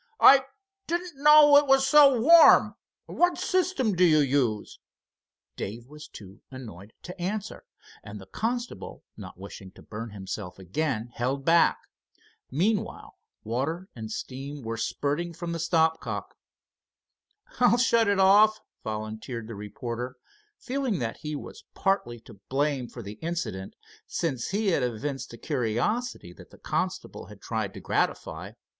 "I didn't know it was so warm. What system do you use?" Dave was too annoyed to answer, and the constable, not wishing to burn himself again, held back. Meanwhile water and steam were spurting from the stop cock. "I'll shut it off," volunteered the reporter, feeling that he was partly to blame for the incident, since he had evinced a curiosity that the constable had tried to gratify.